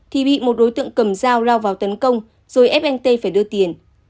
thì bị một đối tượng cầm dao lao vào tấn công rồi ép anh t phải đưa tiền